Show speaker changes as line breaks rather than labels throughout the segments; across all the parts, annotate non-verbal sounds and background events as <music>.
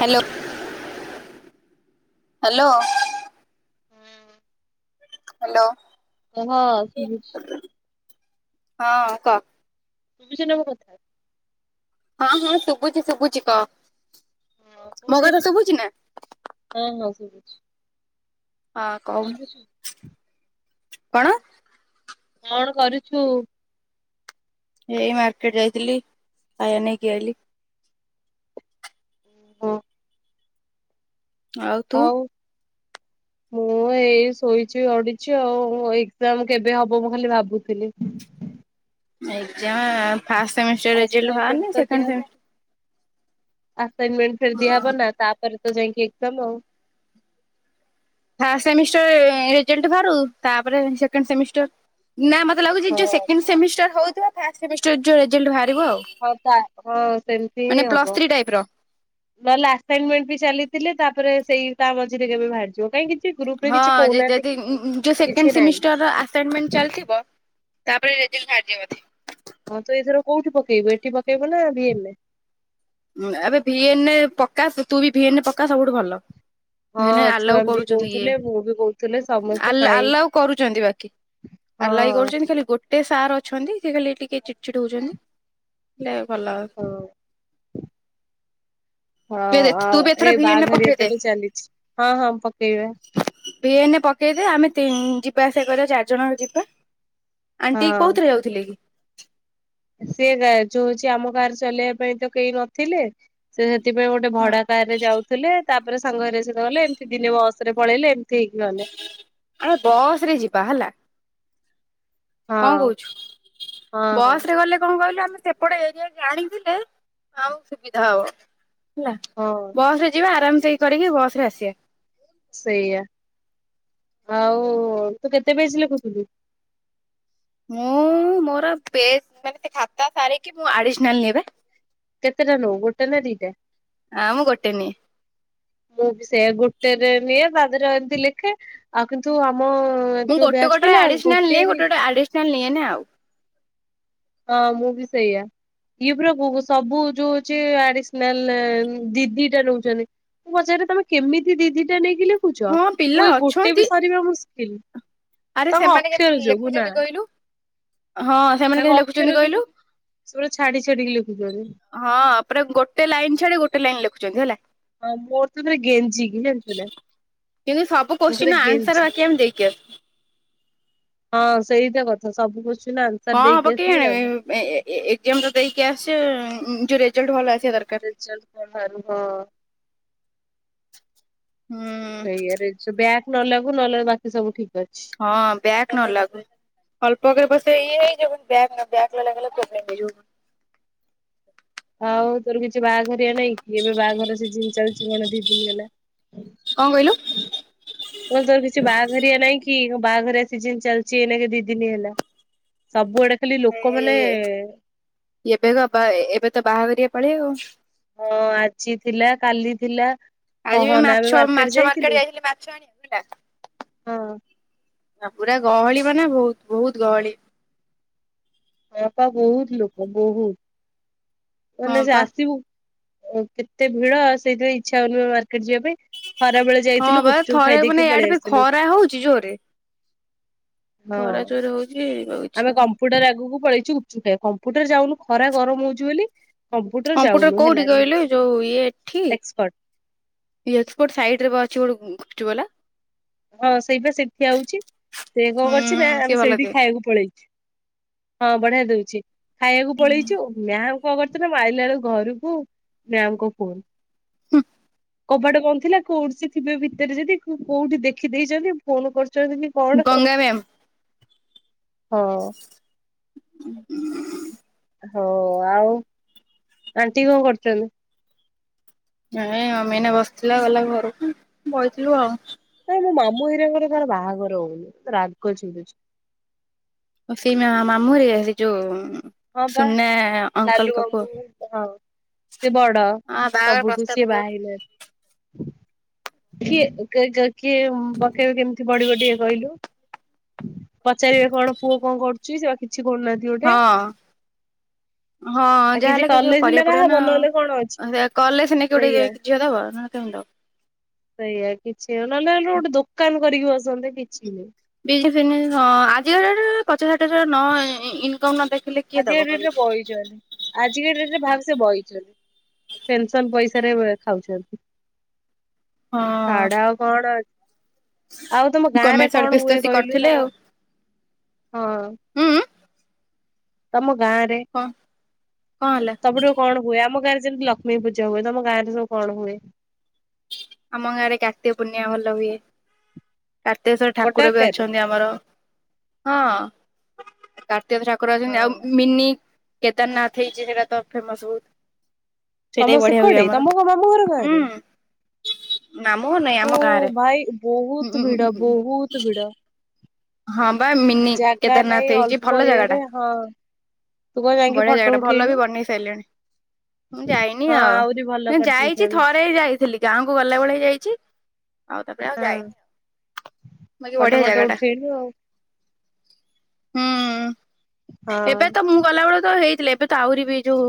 Hello hello. Hello.
କୁହ ସୁବୁଛି।
ହଁ କ
<unintelligible> କଥା।
ହଁ ହଁ ଶୁଭୁଛି ଶୁଭୁଛି କ।
ହଁ କୋଉଠି ଛୁ ହଁ ହଁ
ହଁ କହୁନୁ
କରୁଛୁ
କଣ?
କଣ କରୁଛୁ?
ଏଇ ମାର୍କେଟ ଯାଇଥିଲି ଖଇବା ନେଇକି ଆଇଲି।
ହଁ।
ଆଉ ତୁ?
ହୁ। ମୁଁ ଏଇ ଶୋଇଛି ଗଡୁଛି ଆଉ ଏକଜାମ କେବେ ହବ ମୁଁ ଖାଲି ଭାବୁଥିଲି।
Exam first semester result
assignment
ବାହାରିନି
ତ ଦିଆହବ।
ସେକେଣ୍ଡ
ଆସାଇନମେଣ୍ଟ ଫେରଦିଆ ହବ ନା ତାପରେ ତ ଯାଇକି ଏଜାମ ଆଉ।
ଫାଷ୍ଟ ସେମିଷ୍ଟର ରେଜଲଟ ବହାରୁ ତାପରେ ସେକେଣ୍ଡ ସେମିଷ୍ଟର ନା ମତେ ଲାଗୁଛି ଯୋ
ହଁ।
ସେକେଣ୍ଡ ସେମିଷ୍ଟର ହଉଥିବ ଫାଷ୍ଟ ସେମିଷ୍ଟର ଯୋଉ ରେଜଲ୍
ହଉ ତା ହଁ ସେମିତି ହି
ମାନେ ପ୍ଲସ୍
ହବ।
ଥ୍ରୀ ଟାଇପ ର
ନହେଲେ ଆସାଇନମେଣ୍ଟ ବି ଚାଲିଥିଲେ ତାପରେ ସେଇ ତା ମଝିରେ କେବେ ବାହାରିଯିବ କାହିଁକି
ହଁ ଯଦି ଯୋ
କିଛି
ସେକେଣ୍ଡ
ନାହିଁ।
ସେମିଷ୍ଟର ଚାଲିଥିବ ତାପରେ ରେଜଲଟ ବାହାର ଯିବ ବୋଧେ।
ହଁ ତ ଏଥର କୋଉଠି ପକେଇବୁ ଏଠି ପକେଇଵୁ ନା ଭିଏନରେ?
ଏବେ ଭିଏନରେ ପକା ତୁବି ଭିଏନରେ ପକା ସବୁଠୁ ଭଲ। ନାଇଁ
ହଁ ଛୁଆ
ଆଲାଉ
ବି
କରୁଛନ୍ତି ଇଏ
କହୁଥିଲେ ମୁଁ ବି କହୁଥିଲେ ସମସ୍ତେ
ଆ
କାଇଁ
ଆଲାଉ କରୁଛନ୍ତି ବାକି
ହଁ
ଆଲାଇ କରୁଛନ୍ତି ଖାଲି ଗୋଟେ ସାର୍ ଅଛନ୍ତି ସେ ଖାଲି ଟିକେ ଚିଡ ଚିଡ ହଉଛନ୍ତି ହେ ଭଲ
ହଁ। ହଁ
ତୁ
ଆଉ
ବି ଏଥର
ଏଇ
ଭିଏନେ
ବାହାଘରିଆ ତ
ପକେଇଦେ
ଏବେ ଚାଲିଛି ହଁ ହଁ ପକେଇବା
ଭିଏନ ପକେଇଦେ ଆମେ ଯିବା ଆସିବା କରିବା ଚାରି ଜଣଙ୍କ ଯିବା ଆଣ୍ଟି
ହଁ।
କୋଉଥିରେ ଯାଉଥିଲେ କି?
ସେ ଯୋଉ ହଉଛି ଆମ ଗାଁରେ ଚଲେଇବା ପାଇଁ ତ କେହି ନଥିଲେ ସେ ସେଥିପାଇଁ ଗୋଟେ
ହଁ
ଭଡା କାର ରେ ଯାଉଥିଲେ ତାପରେ ସାଙ୍ଗରେ ସେ ଗଲେ ଏମିତି ଦିନେ ବସ ରେ ପଳେଇଲେ ଏମତି
ଆରେ ବସ ରେ ଯିବା ହେଲା।
ହଁ
କଣ କହୁଛୁ
ହଁ ହଁ
ବସ ରେ ଗଲେ କଣ କହିଲୁ? ଆମେ ସେପଟେ ଏରିଆ କି ଆଣିଥିଲେ ଆଉ ସୁବିଧା ହବ। ହେଲା
ହଁ
ବସ ରେ ଯିବା ଆରାମ ସେ କରିକି ବସ ରେ ଆସିବା।
ସେଇଆ। ଆଉ ତୁ କେତେ ପେଜ ଲେଖୁଥିଲୁ?
ମୁଁ ମୋର ମାନେ ଖାତା ସାରିକି ମୁ ଆଡିସନାଲ ନିଏ ବା
କେତେ ଟା ନୋଉ ଗୋଟେ ନା ଦିଟା?
ଆ ମୁଁ ଗୋଟେନିଏ
ରେ ନିଏ ତାଧିରେରେ ଏମିତି ଲେଖେ ଆଉ କିନ୍ତୁ ଆମ
ମୁଁ
ଯୋଉ
ଗୋଟେ
ବ୍ୟାଚ
ଗୋଟେରେ
ପିଲା
ଆଡିସନାଲ ନିଏ
ଗୋଟିରେ
ଗୋଟେ
<inaudible>
ଗୋଟେ ଆଡିସନାଲ ନିଏନି ଆଉ
ହଁ ମୁଁ ବି ସେଇଆ ଇଏ ପ୍ରଭୁ ସବୁ ଯୋଉ ହଉଛି ଆଡିସନାଲ ଦିଦିଟା ନଉଛନ୍ତି ପଚାରେ ତମେ କେମିତି ଦିଦିଟା ନେଇକି ଲେଖୁଛ
ହଁ ପିଲା
ମୁଁ ଏଇ ଗୋଟେ
ଅଛନ୍ତି
ବି ସରିବା ମୁ
ଆରେ ସେମାନେ କେମିତି
ଯୋଗୁ ନା
ଲେଖୁଛନ୍ତି କହିଲୁ? ହଁ ସେମାନେ
ତାଙ୍କ
କେମିତି
ଅକ୍ଷର
ଲେଖୁଛନ୍ତି
ଯୋଗୁ
କହିଲୁ?
ସେ ପୁରା ଛାଡି ଛାଡିକି ଲେଖୁଛନ୍ତି।
ହଁ ପୁରା ଗୋଟେ ଲାଇନ ଛାଡି ଗୋଟେ ଲାଇନ ଲେଖୁଛନ୍ତି ହେଲା।
ହଁ ମୋର ତରେ ଗେଞ୍ଜି କି ଜାଣିଛୁ ନା।
କିନ୍ତୁ ସବ
ମୁଁ ପୁରା
କୋଶ୍ଚିନ ଆନ୍ସର
ଗେଞ୍ଜି।
ବାକି ଆମେ ଦେଇକି ଆସୁଛୁ।
ହଁ ସେଇଟା କଥା ସବୁ ଆନ୍ସର
ହଁ ହଁ
ଦେଇକି
ପକେଇ
ଆସିବୁ ଲାଭ
ଆଣିବ ଏଜାମ ତ ଦେଇକି ଆସ ଯୋଉ ରେଜଲ୍ଟ ଭଲ ଆସି
ସେ ଚାଲ କଣ ହଁ।
ହୁଁ
ସେଇଆରେ ବ୍ୟାଗ ନଲାଗୁ ନହ ବାକି ସବୁ ଠିକ। ଅଛି।
ହଁ ବ୍ୟାଗ ନ ଲାଗୁ ଅଳ୍ପକେ ପଛେ ଇଏ ହେଇ ବ୍ୟାଗ ବ୍ୟାଗ ଲାଗିଲା ପ୍ରୋବ୍ଲେମ ହେଇ ଯିବ।
ହଉ ତୋର କିଛି ବାହାଘର ନାଇଁ କି ଏବେ ବାହାଘର ସେ ଜିନି ଚାଲିଛି କଣ ଦି ଦିନି ହେଲା।
କଣ କହିଲୁ?
ମୋ ତ କିଛି ବାହାଘରଆ ନାଇଁ କି? ବାହାଘର ସିଜିନ ଚାଲିଛି ଏକ ଦି ଦିନି ହେଲା ସବୁଆଡେ। ଖାଲି
ଏ
ଲୋକମାନେ
ଏବେ ଏବେ ତ ବାହା କରିବାର ପଳେଇ ଆଉ।
ହଁ ଆଜି ଥିଲା କାଲି ଥିଲା।
ଆଜି ବି
କହନା ଆମେ
ମାଛ
ମାର୍କେଟ
ମାଛ
ଯାଇଥିଲୁ
ମାର୍କେଟ ଆେ ମାଛ ଆଣିବା
ହଁ
ବୁଝିଲା। ପୁରା ଗହଳି ମାନ ବହୁତ ବହୁତ ଗହଳି।
ହଁ ପା ବହୁତ ଲୋକ ବହୁତ
ହଁ
ମାନେ ସେ
ବା
ଆସିବ ଓଉ କେତେ ଭିଡଉ ସେଇଥିପାଇଁ ଇଚ୍ଛା ହଉନି ପା ମାର୍କେଟ ଯିବା ପାଇଁ। ଖରା ବେଳେ
ହଁ
ଯାଇଥିଲୁ
ବା
ଗୁପଚୁପ
ଥରେ ମାନେ
ଖାଇଦେଇକି
ଇଆଡେ
ପଳେଇ
ବି
ଆସିଲୁ।
ଖରା ହଉଛି ଜୋରେ
ହଁ
ଖରା ଜୋରେ ହଉଛି ଆଉ ଇଚ୍ଛା
ଆମେ କମ୍ପ୍ୟୁଟର ଆଗକୁ ପଳେଇୁଚୁ ଖ କମ୍ପୁଟର ଯାଉନୁ ଖରା ଗରମ ହଉଛି ବୋଲି।
କମ୍ପ୍ୟୁଟର
ଯାଉନୁ ହେଲା
କୋଉଠି କହିଲେ ଯୋଉ ଇଏ ଏଠି।
ଏକ୍ସପର୍ଟ
ଏକ୍ସପୋର୍ଟ ସାଇଟ ରେ ବା ଅଛି ଗୁପଚୁପ ବାଲା।
ହଁ ସେଇପା ସେଇଠି ଆଉଛି ସେ କଣ
ହୁଁ
କରୁଛି ନା
ସିଏ
ଆମେ
ଭଲ
ସେଇଠି
ଦିଏ
ଖାଇବାକୁ ପଳେଇଛୁ। ହଁ ବଢିଆ ଦଉଛି ଖାଇବାକୁ ପଳେଇଛୁ ମ୍ୟାମ କଣ କରିଥିଲେ ନା ମାରିଲା ବେଳକୁ ଘରକୁ ରାମ କ ଫୋନ।
ହୁଁ।
କବାଟ କଣ ଥିଲା କୋଉଠି ସେ ଥିବେ ଭିତରେ ଯଦି କୋଉଠି ଦେଖିଦେଇଛନ୍ତି ଫୋନ କରୁ ଚନ୍ତି କି କବାଟ ଖୋଲ।
ହଁ।
ହଁ ଆଉ ଆଣ୍ଟି କଣ କରୁଛନ୍ତି?
ନାଇଁ ମମି ଏଇନା ବସିଥିଲା ଗଲା ଘରକୁ ବଇଥିଲୁ ଆଉ।
ନାଇଁ ମୋ ମାମୁଁ ଏରାଙ୍କର କଣ ବାହାଘର ହଉନି ରାଗ ଚିଡୁଛି।
ସେ ମା ମାମୁ ହରୀକା ସେ ଯୋଉ
ହଁ ବା
ସୁନା
ଲାଲୁ
ଅଙ୍କଲଙ୍କ ପୁଅ
ମାମୁ ହଁ। ସେ ବଡ
ହଁ ବାହାଘର
ସବୁଠୁ
ପ୍ରସ୍ତାବ
ସେ ବାହା
କହୁନ
ହେଇ ନାଆ କିଏ କେ ଜାଣେ କିଏ ପକେଇବେ କେମିତି ବଢିବ ଟିକେ କହିଲୁ? ପଚାରିବେ କଣ ପୁଅ କଣ କରୁଚି, ସେ ବା କିଛି କରୁନାହାନ୍ତି ଗୋଟେ।
ହଁ ହଁ
ଆଉ
ଯାହାହେଲେ କିଛି
କଲେ ସିନା
କରିବାକୁ ପଡିବ
କାହା
ନା,
ହବ ନହେଲେ କଣ ଅଛି
ସେ କଲେ ସିନା କିଏ ଗୋଟେ ଯାଇକି ଝିଅ ଦବ। କିମ୍ ଦବ?
ସେଇଆା କିଛିଉ ନହେଲେ ଗୋଟେ ଦୋକାନ କରିକି ବସନ୍ତେ କିଛି ନାଇଁ।
ବିଲ୍ଡି ଫିଲ୍ଡି ହଁ ଆଜିକା ଡେଟ୍ ରେ ପଚାଶହଜାର ନ ଇ ଇନ ଇନକମ୍ ନ ଦେଖିଲେ କିଏ ଦବ
ଆଜିକା ଡେଟରେ
କହିଲୁ।
ବଇଚନ୍ତି ଆଜିକା ଡେଟରେ ଭାବ ସେ ବଇଚନ୍ତି। ପେନସନ ପଇସାରେ ଏ ଖାଉଚନ୍ତି।
ହଁ
ଖାଡା ଆଉ କଣ ଅଛି? ଆଉ ତମ ଗାଁ ରେ
ଗମେଣ୍ଟ
କଣ
ସର୍ଭିସ୍ ତ
ହୁଏ
ସେ
କହିଲୁ
କରିଥିଲେ
ତମ
ଆଉ
ହଁ।
ଉଁ ଉଁ
ତମ ଗାଁରେ
କଣ କଣ ହେଲା?
ସବୁଠୁ କଣ ହୁଏ ଆମ ଗାଁରେ ଯେମିତି ଲକ୍ଷ୍ମୀ ପୂଜା ହଏ ତ ମ ଗାଁ ରେ ସବୁ କଣ ହୁଏ?
ଆମ ଗାଁ ରେ କାର୍ତିକ ପୂର୍ଣ୍ଣିମା ଭଲ ହୁଏ। କାର୍ତ୍ତିେଶଶ୍ଵର
ବଡ
ଠାକୁର ବି
ଆକାରରେ
ଅଛନ୍ତି ଆମର, ହଁ। ଠାକୁର ଅଛନ୍ତି ଆଉ ମିନି କେଦାରନାଥ ହେଇଚି, ସେଇଟା ତ ଫେମସ ବହୁତ। ସେଇଟା
ତମ
ବି ବଢିଆ ହୁଏ
ସେକଡେ
ଆମର
ତମ କଣ ମାମୁଁ ଘର ଗାଁରେ?
ହୁଁ। ନାମ ନାହିଁ
ଓ
ଆମ ଗାଁରେ
ଭାଇ
ହୁଁ
ବହୁତ
ହୁଁ ହୁଁ
ଭିଡ
ହୁଁ
ବହୁତ ଭିଡ।
ହୁଁ। ହଁ ବା ମିନି
ଜାଗା ନାଇଁ
କେଦାରନାଥ ହେଇଚି
ଅଳ୍ପ
ଭଲ ଜାଗା ଟା।
ଇଏରେ ହଁ ତୁ କଣ ଯାଇକି
ବଢିଆ
ଫଟୋ
ଜାଗା ଟା ଭଲ
ଉଠେଇନୁ?
ବି ବନେଇ ସାରିଲେଣି। ମୁଁ ଯାଇନି
ହଁ
ଆଉ
ଆହୁରି ଭଲ
ମୁ ଯାଇଚି
କରିଦେଇଛନ୍ତି
ଥରେ ଯାଇଥିଲି ଗାଁକୁ ଗଲା ବଳେ ଯାଇଚି। ଆଉ ତାପରେ ଆଉ
ହଁ
ଯାଇନି, ବାକି
ଫଟୋ
ବଢିଆ
ଫଟୋ
ଜାଗା ଟା।
ଉଠେଇଲୁ ଆଉ
ହୁଁ ଏବେ
ହଁ।
ତ ମୁଁ ଗଲାବେଳେ ତ ହେଇଥିଲି, ଏବେ ତ ଆହୁରି ବି ଏ ଯୋଉ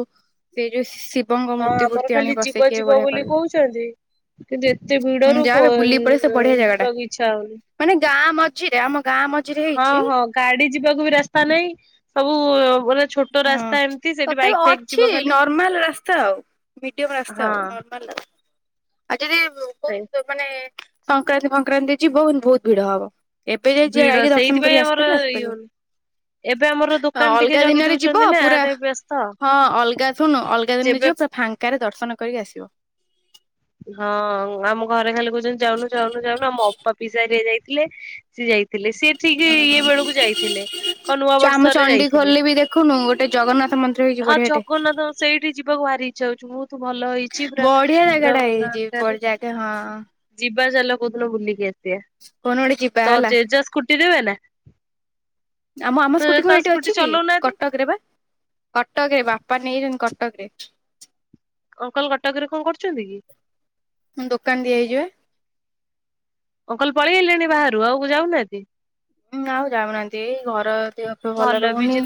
ସେ ଯୋଉ ଶିବଙ୍କ
ହଁ
ମୂର୍ତ୍ତି
ଆମର
ଫୂର୍ତ୍ତି ଆଣି
ଖାଲି ଯିବ
ବସେଇକି ଏବେ
ଯିବ
ବଢ଼ିଆ
ବୋଲି
କରିଲେ
କହୁଛନ୍ତି କିନ୍ତୁ ଏତେ
ହଁ
ଭିଡରୁ କୋ
ଯାବେ ବୁଲିକି ପଳେଇ ଆସେ, ବଢିଆ ଜାଗା ଟା
ଯିବାକୁ ଇଚ୍ଛା ହଉନି
ମାନେ ଗାଁ ମଝି ଆମ ଗାଁ ମ
ହଁ ହଁ ଗାଡି ଯିବାକୁ ବି ରାସ୍ତା ନାହିଁ ସବୁ ମାନେ ଛୋଟ
ହଁ
ରାସ୍ତା ଏମିତି ସେଠି
ତଥାପି
ବାଇକ ଫାଇକ ଯିବ
ଅଛି
ଖାଲି
ନର୍ମାଲ ରାସ୍ତା ଆଉ। ମିଡିୟମ୍ ରାସ୍ତ
ହଁ
ଆଉ ନର୍ମାଲ। ଆଉ ଯଦି
ଥାଏ।
କୋଉ ମାନେ ସଂକ୍ରାନ୍ତି ଫକ୍ରାନ୍ତି ଯିବୁ, ବହୁତ ଭିଡ ହବ। ଏବେ ଯାଇ
ଭିଡ
ଯାଇକି ଦର୍ଶନ
ସେଇଥିପାଇଁ
କରିକି
ଆମର
ଆସିପାରିବ
ଇଏ
ଆସିପାରିବୁ,
ହଉନି। ଏବେ ଆମର
ଆଉ
ଦୋକାନ ଟିକେ
ଅଲଗା
ଜଗି
ଦିନରେ ଯିବ
ଦଉଛନ୍ତି ନା
ପୁରା
ଟିକେ ବ୍ୟସ୍ତ।
ହଁ ଅଲଗା ଶୁନୁ ଅଲଗା ଦିନରେ
ଯେବେ
ଯିବ, ପୁରା ଫାଙ୍କାରେ ଦର୍ଶନ କରିକି ଆସିବ।
ହଁ ଆମ ଘରେ ଖାଲି କହୁଚନ୍ତି ଯାଉନୁ, ଯାଉନୁ, ଯାଉନୁ ଆମ ଅପା ପିଇସା ହରିକା ଯାଇ ଥିଲେ, ସେ ଯାଇ ଥିଲେ ସିଏ ଠିକ ଇଏ ବଳକୁ ଯାଇଥିଲେ, କ ନୂଆ
ଆମ
ବର୍ଷରେ ଯାଇଥିଲେ
ଚଣ୍ଡିଖୋଲରେ ବି ଦେଖୁନୁ ଗୋଟେ ଜଗନ୍ନାଥ ମନ୍ଦିର ହେଇଛି
ହଁ
ବଢିଆଟେ।
ଜଗନ୍ନାଥ ସେଇଠି ଯିବାକୁ ବାହାରି ଇଚଛା ହଉଚି, ବହୁତ ଭଲ ହେଇଚି ପୁରା ପୁରା
ଟା
ଭଲ
ହେଇ ଯିବି ପ ଯାଗା ହଁ ହଁ।
ବା ଚାଲ କୋଉ ଦିନ ବୁଲିକି ଆସିବା।
ଗୋଟେ ଯିବା
ତୋର
ହେଲା।
ଜେଜ ସ୍କୁଟି ରୁଏ ନା
ଆମ ଆମ
ତ ତ
ସ୍କୁଟିକୁ ଏଇଠି
ସ୍କୁଟି
ଅଛି କି?
ଚଲଉନାହାନ୍ତି
କଟକରେ ବା କଟକ ରେ ବାପା ନେଇ କଟ କ ରେ
ଅଙ୍କଲ କଟକରେ କଣ କରୁଚନ୍ତି କି?
ଦୋକାନ ଦିଆ ହେଇଚି ପା।
ଅଙ୍କଲ ପଳେଇଗଲେଣି ବାହାରୁ ଆଉ ଯାଉନାହାନ୍ତି?
ନା ଆଉ ଯାଉନାହାନ୍ତି, ଏଇ ଘର ଦେହପାହ ଭଲ ରହୁନି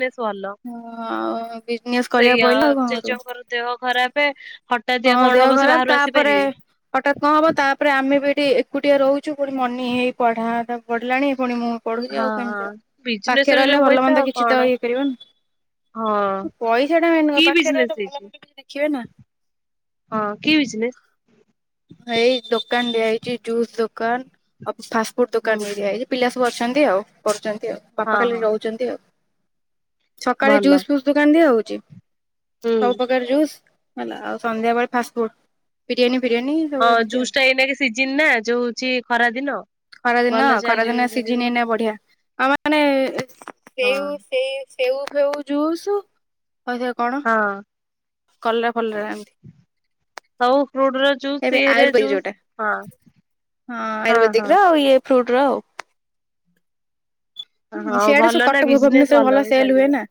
ଆଉ ବିଜନେସ କରି
ଏଇଆ ଜେଜେଙ୍କର ଦେହ ଖରାପେ। ହଠାତିଆ
ହଁ
କଣ
ଦେହ
ହବ ସେ
ଖରାପ
ବାହାରୁ
ତାପରେ
ଆସିପାରିବେ।
ହଠାତ୍ କଣ ହବ ତାପରେ ଆମେ ବି ଏଠି ଏକୁଟିଆ ରହୁଛୁ ପୁଣି ମନି ପଢା ଟା ପଢିଲାଣି ପୁଣି ମୁଁ ପଢୁଛି
ହଁ
ଆଉ
ହଁ।
କେମିତି ଆଉ
ବିଜନେସ
ପାଖେ
ରେ
ରହିଲେ
ଯୋଉ
ଭଲ
ପଇସା
ମନ୍ଦ
ଆଉ
କିଛି
କଣ।
ତ ଇଏ କରିବନି।
ହଁ।
ପଇସା ଟା
କି
ମେନ ପାଖରେ
ବିଜନେସ୍
ତ ଭଲ ଭଲ
ହେଇଛି
କିଛି ଦେଖିବେ ନା।
ହଁ କି ବିଜନେସ।
ଏଇ ଦୋକାନ ଦିଆାଇଛି ଜୁସ୍ ଦୋକାନ ଆଉ ଫାଷ୍ଟ ଫୁଡ
ହୁଁ
ଦୋକାନ ବି
ହୁଁ
ଦିଆଯାଇଛି ପିଲା ବାବୁ ଅଛନ୍ତିଆଉ କରୁଛନ୍ତି ଆଉ
ହଁ
ବାପା ଖାଲି
ହଁ
ରହୁଛନ୍ତି ଆଉ। ସକାଳେ
ଭଲ।
ଜୁସ୍ ଫୁସ୍ ଦୋକାନ ଦିଆ ହଉଛି
ହୁଁ।
ସବୁ ପ୍ରକାର ଜୁସ୍। ହେଲା ଆଉ ସନ୍ଧ୍ୟାବେଳେ ଫାଷ୍ଟ ଫୁଡ ବିରିୟାନୀ ଫିରିୟାନୀ। ସବୁ
ହଁ
ଏମିତି ଆଉ
ଜୁସ୍ ଟା ଏଇନାକେସିଜିିନ ନା ଯୋଉଛି ଖରା ଦିନ।
ଖରାଦିନ
ଭଲ ଚାଲିବ
ଖରାଦିନ
କରିବ।
ସିଝିନିଏଇନା ବଢିଆ ଆମେ ମାନେ ସେ
ହଁ।
ସେଇ ସେଉ ଫେଉ ଜୁସ କହିଥା କଣ
ହଁ
କଲେ ଭଲରେ ଏନ୍ତି।
ହଉ ଫ୍ରୁଟ ର ଜୁସ ଏର
ଆୟୁର୍ବେଦିକ
ଜୁସ
ଯୋଉଟା
ହଁ।
ହଁ ଆୟୁର୍ବେଦିକ ର ଆଉ ଇଏ ଫ୍ରୁଟ ର ଆଉ।
ହଁ
ସେଆଡେ
ଭଲ
ସବୁ
ନା
କଟକ
ବିଜନେସ୍
ଭୁବନେଶ୍ଶର ଭଲ
ବି
ସେଲ ହୁଏ
ଚାଲିବ।
ନା।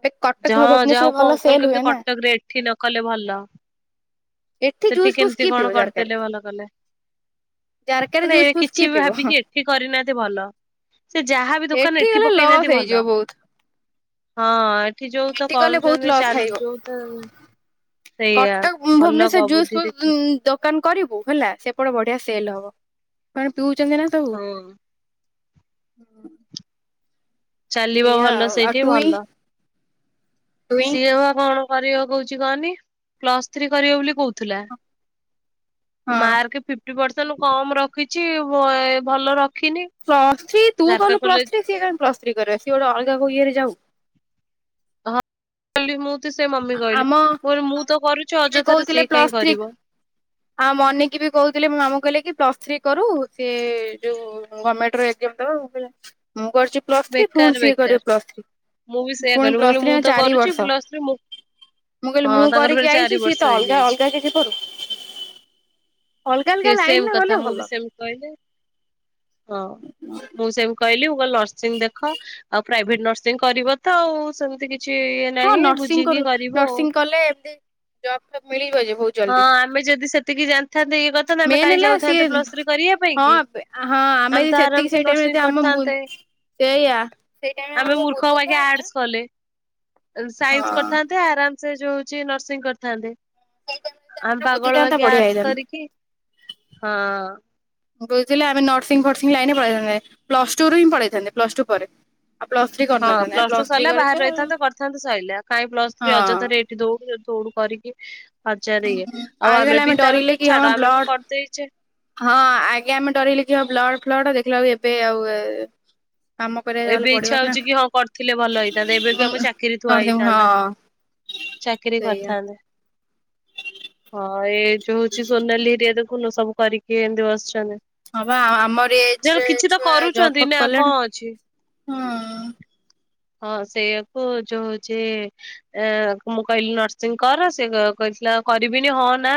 ଏବେ କଟକ ଭୁବନେଶ୍ୱର ଭ ଲସେଲ ହୁଏ। ନା
ରେ ଏଠି ନ କଲେ ଭଲ।
ଏଠି
ସେଠି
ଜୁସ୍ ଫୁସ୍
କେମିତି
କିଏ
କଣ
ପିଇବ ଜାରକାରେ
କରିଦେଲେ ଭଲ କଲେ।
ଜାରକାରେ
ମ
ଜୁସ୍
ଏ
ଫୁସ୍ କିଏ
କିଛି ବି
ପିଇବ
ଭାବିକି ଏଠି କରିନାହାନ୍ତି ଭଲ। ସେ ଯାହାବ ଦୋକାନ ଏଠି
ଗଲେ
ପକେଇନାହାନ୍ତି
ଲସ୍ ହେଇଯିବ
ଭଲ।
ବହୁତ
ହଁ ଏଠି ଯୋଉ ତ
ଗଲେ ବହୁତ
କରୁଛନ୍ତି
ଲସ୍
ଚାଲି
ଖାଇବ
ଯୋଉ ତ ସେଇଆ
କଟକ
ଭଲ
ଭୁବନେଶ୍ର
କ
ଜୁସ୍
ବୁଦ୍ଧି
ଫୁସ
ଦେଖି
ଦୋକାନ କରିବୁ ହେଲା ସେପଟେ ବଢିଆ ସେଲ ହବ କଣ ପିଉଛନ୍ତି ନା ସବୁ।
ହଁ
ହୁଁ।
ଚାଲିବା ଭଲ ସେଇଠି
ଟୁଇଁ
ଭଲ।
ଟୁଇଁ ହଁ
ସିଏ ଭା କଣ। କରିବ କହୁଛି କହନି ପ୍ଲସ ଥ୍ରୀ କରିବ ବୋଲି କହୁଥିଲା। ମାର୍କ ଫିଟି ପରସେଣ୍ଟ କମ ରଖିଛି ଭଲ ରି
ପ୍ଲର୍ଥୀ ତୁ କଲୁ ପ୍ଲସର୍ଥୀ ସିଏ କାହିଁକି ପ୍ଲସର୍ଥୀ କରିବ ସିଏ ଗୋଟେ ଅଲଗା କୋଉ ଇଏରେ ଯାଉ।
ହଁ କଲି ମୁଁ। ସେ ମମି କହିଲି
ଆମ
ମୁ କହିଲ ମୁଁ
ଆମ
ତ କରୁଛି ଅଯଥାରେ ସିଏ କାଇହିଁ କରିବ।
ଆଁ ମନିକି ବି କହୁଥିଲେ ମୁଁ ଆମକୁ କହିଲେ କି। ପ୍ଲସ୍ ଥ୍ରୀ କରୁ ସେ ଯୋଉ ଗର୍ମେଣ୍ଟ ଏଜାମ ଦେବା ମୁ କରୁଛି ପ୍ଲସ୍ ଥ୍ରୀ
ବେକାର
ପୁଣି ସିଏ
ବେକାର।
କରିବେ ପ୍ଲସ୍ ଥ୍ରୀ।
ମୁଁ ବି ସେୟା
ପୁଣି
କଲି ମୁ
ପ୍ଲସ୍
କହିଲଲେ
ଥ୍ରୀ
ମୁଁ ତ
ଚାରି
କରୁଛି
ବର୍ଷ
ପ୍ଲସ ର୍ଥୀ ମୁ।
ମୁଁ କହିଲି
ହଁ
ମୁଁ
ତାଙ୍କର
କରିକି
ଫେରେ
ଆଇଛି
ଚାରି
ସିଏ
ବର୍ଷ
ତ ଅଲଗା
ହେଇଯାଇଛି।
ଅଲଗା କିଛି କରୁ ଅଲଗା ଅଲଗା
ଟିକେ ସେମ
ଲାଇନରେ ଗଲେ
କଥା ମୁଁ
ଭଲ
ବି ସେମିତି କହିଲି। ହଁ ମୁଁ ସେମ। କହିଲି କ ନର୍ସିଂ ଦେଖ ଆଉ ପ୍ରାଇଭେଟ ନର୍ସିଂ କରିବ ତ ଆଉ ସେମିତି କିଛି। ଇଏ
ହଁ
ନାହିଁ
ନର୍ସିଂ
ବୁଝିକି
କରୁ
କରିବ ଆଉ।
ନର୍ସିଂ କଲେ ଏମତି ଜବ୍ ଫବ୍ ମିଳିିବ ଯେ ବହୁତ।
ହଁ
ଜଲ୍ଦି
ଆମେ ଯଦି ସେତିକି ଜାଣିଥାନ୍ତେ ଇଏ କଥାନ୍ତ ଆମେ
ମେନ୍
କାହିଁ
ହେଲା ସିଏ
ଯାଉଥାନ୍ତେ ପ୍ଲସ ରେ କରିବା ପାଇଁ
ହଁ
କି।
ହଁ
ଆମେ
ଯଦି
ତ
ସେତିକି ସେଇ
ଆରାମସେ
ଟାଇମରେ ଯଦି
ନର୍ସିଂ
ଆମ ମୁ
କରିଥାନ୍ତେ।
ସେଇଆ ସେଇ ଟାଇମରେ
ଆମେ
ଯଦି
ମୂର୍ଖ ପାଖେ
ବୁଝିଥାନ୍ତେ
ଆର୍ଟସ୍ କଲେ।
ହଁ
ସାଇନ୍ସ କରିଥାନ୍ତେ ଆରାମ ସେ ଯୋଉ ହଉଛି ନର୍ସିଂ କରିଥାନ୍ତେ।
ସେଇ ଟାଇମରେ ଯଦି
ଆମେ
ଆମର
ପାଗଳ
ବୁଝିଥାନ୍ତା
ବାଗେ
ବଢିଆ
ଆର୍ଟସ
ହେଇଥାନ୍ତା।
କରିକି ହଁ।
ବୁଝିଲଥିଲେ ଆମେ ନର୍ସିଂ ଫର୍ସିଂ ଲାଇନ ପଢେଇଥାନ୍ତେ ପ୍ଲସ ଟୁ ର ହିଁ ପାଇଥାନ୍ତ ପ୍ଲସ ଟୁ ପରେ। ଆଉ ପ୍ଲସ ଥ୍ରୀ
ହଁ
କରିନଥାନ୍ତେ ଆମେ
ପ୍ଲସ ଟୁ
ଥ୍ରୀ
ସରିଲା
କରିଛେ
ବାହାରେ
ଆଉ ହଁ।
ରହିଥାନ୍ତେ କରିଥାନ୍ତତା ସରା କାଇଁ ପ୍ଲସ ଥ୍ରୀ ଅଯଥାରେ ଏଇଠି ଦଉୁ ଯି। ଉଡୁ କରିକି ହଜାର ଏ ଆଉ
ଆଗେ ଖାଲି
ଆମେ ବି ତ
ଡରିଲେ
ତ
କି ହଁ
ଛାଡ ଆମେ ବି
ବ୍ଲଡ
କରିଦେଇଛେ।
ହଁ ଆଜ୍ଞା ଆମେ ଡରିଲେଖ ବ୍ଲଡ ଫ୍ଲଡ ଦେଖିଲା ବ ଏବେ ଆଉ -
ଏବେ ଇଚଛା ହଉଛି କି ହଁ କରିଥିଲେ ଭଲ ହେଇଥାନ୍ତା ଏବେ କି ଆମ ଚାକିରି ଥୁଆ
ନର୍ସିଂ ହଁ
ହେଇଥାନ୍ତା ଚାକିରୀ
ସେଇଆ।
କରିଥାନ୍ତେ। ହଁ ଏଇ ଯୋଉ ହଉଛି ସୋନାଲି ଏିରିଆ ଦେଖୁନୁ ସବୁ କରିକି ଏମିତି ବସିଛନ୍ତି।
ହବା ଆଉ ଆମର ଏଜ
ଯେ
ରେ
କିଛି ତ
ଛୁଆ
କରୁଛନ୍ତି
ଜପ୍ ଅପ
ନା କଣ
କଲେଣି।
ଅଛି
ହଁ
ହଁ ସେଇଆାକୁ ଯୋଉ ହଉଛି ମୁଁ କହିଲି ନର୍ସିଂ କର ସେ ନାଁ କରିବିନି ହଁ ନାଁ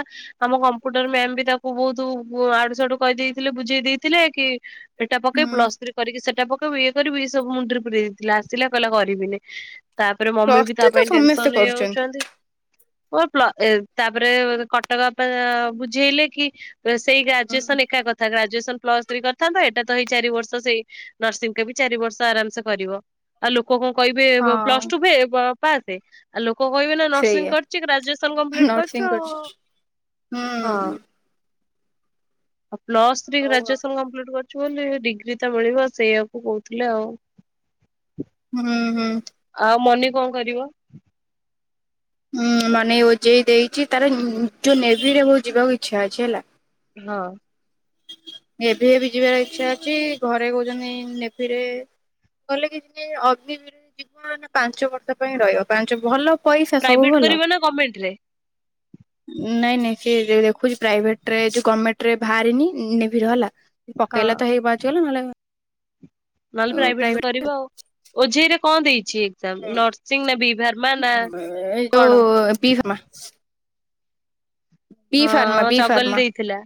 ଆମ କମ୍ପୁଟର ମେଲ୍ ବି ତାକୁ ବହୁତ ଆଡୁ ସାଡୁ କହିଦେଇଥିଲେ ବୁଝି ଦେଇଥିଲେ ଏଠି ଏଟା ପକେଇି
ହୁଁ
ପ୍ଲସ୍ ଥ୍ରୀ କରିକି ସେଟା ପକେଇବୁ ଏ କରିବି ଏସବୁ ମୁଣ୍ଡରେ ପୁରେଇ ଦେଇଥିଲା ଆସିଲା କହିଲା କରିବିନି ତାପରେ ମମି
ପ୍ଲସ୍
ବି ତା
ଥ୍ରୀ ତ
ପାଇଁ
ସମସ୍ତେ
ଟେନସନ
କରୁଛନ୍ତି।
ହେଇଯାଉଛନ୍ତି ଅ ପ୍ଳ ତାପରେ କଟକ ବାପା ବୁଝେଇଲେ କି ସେଇ ଗ୍ରାଜଏସନ୍ ଏକା କଥା ଗ୍ରାଜ ଯେ ସେ ପ୍ଲସ ଥ୍ରୀ କରିଥାନ୍ତା ଏଇଟା ତ ହେଇ ଚାରି ବର୍ଷ ସେଇ ନର୍ସିଂ କି ବି ଚାରି ବର୍ଷ ଆରାମସେ ପାରିବ ଆଉ ଲୋକ କଣ କହିବେ ପ୍ଲସ
ହଁ
ଟୁ ଫେ ପାସ ଆଉ ଲୋ କ କହିବି ନା ନର୍ସିଂ
ସେଇଆ
କରିଛି ଗ୍ରାଜୁଏସନ କମ୍ପ୍ଲିଟ
ନର୍ସିଂ
କରୁଛୁ ଆଉ
କରିଛି
ହଁ
ହୁଁ।
ଆଉ ପ୍ଲସ ଥ୍ରି
ହଉ ଆଉ
ଗ୍ରାଜୁଏସନ୍ କମ୍ପିଟି କରିଛି ନହେନେ ଡିଗ୍ରୀ ତା ମିଳିବ ସେଇଆକୁ କହୁଥିଲେ ଆଉ
ହୁଁ ହୁଁ।
ଆଉ ମନି କଣ କରିବ?
ହଁ ମାନେ ଓଜେଇ ଦେଇଛି ତାର ହୁ ନେଭି ରେ ବହୁତ ଯିବାକୁ ଇଚ୍ଛା ଅଛି ହେଲା।
ହଁ।
ନେଭିରେ ବି ଯିବାର ଇଚ୍ଛା ଅଛି ଘରେ କହୁଛନ୍ତି ନେଭିରେ କହଲେ କି ଯ ଅଗ୍ନିରେ ଯିବ ମେ ପାଞ୍ଚ ବର୍ଷ ପାଇଁ ରହିବ ପାଞ୍ଚ ଭଲ ପଇସା ସବୁ
ପ୍ରାଇଭେଟ
ଭଲ
କରିବ ନା ଗମେଣ୍ଟ ରେ
ନାଇଁ ନାଇଁ। ସେଏ ଦେ ଦେଖୁଛି ପ୍ରାଇଭେଟ ରେ ଯ ଗଭର୍ଣ୍ଣମେଣ୍ଟ ରେ ବାହାରିନି ନେଭିର ହେଲା।
ହଁ।
ପକେଇଲା ତ ହେଇବାଜିଗଲା ନହେଲେ
ନହେଲେ ପ୍ରାଇଭେଟରେ
ପ୍ରାଇଭେଟ
କରିବ ଆଉ ଓଝେଇରେ କଣ ଦେଇଛି ଛି ନର୍ସିଂ ନା ବି ବାର୍ମା ନା
ଏ
କଣ?
ଯୋଉ ବି ଫାର୍ମା ବି
ହଁ
ଫାର୍ମା
ଆମ
ବି
ଚଗଲି
ଫାର୍ମା।
ଦେଇଥିଲା।